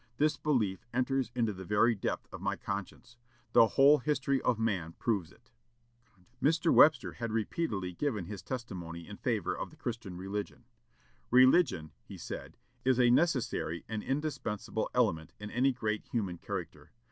This belief enters into the very depth of my conscience. The whole history of man proves it." Mr. Webster had repeatedly given his testimony in favor of the Christian religion. "Religion," he said, "is a necessary and indispensable element in any great human character.